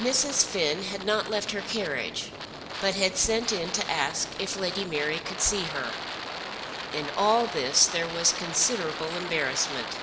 Mrs. Finn had not left her carriage, but had sent in to ask if Lady Mary could see her. In all this there was considerable embarrassment.